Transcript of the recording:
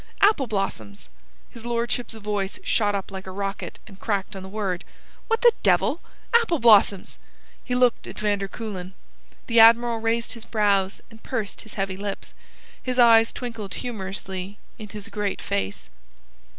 "Apple blossoms!" His lordship's voice shot up like a rocket, and cracked on the word. "What the devil...? Apple blossoms!" He looked at van der Kuylen. The Admiral raised his brows and pursed his heavy lips. His eyes twinkled humourously in his great face.